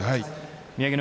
宮城野